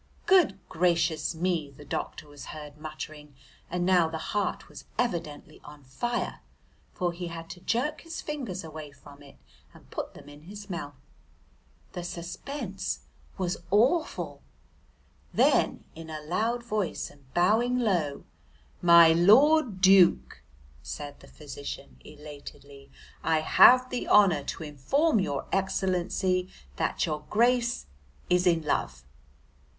"Good gracious me!" the doctor was heard muttering, and now the heart was evidently on fire, for he had to jerk his fingers away from it and put them in his mouth. The suspense was awful! Then in a loud voice, and bowing low, "My Lord Duke," said the physician elatedly, "I have the honour to inform your excellency that your grace is in love."